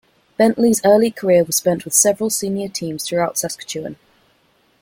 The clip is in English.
Bentley's early career was spent with several senior teams throughout Saskatchewan.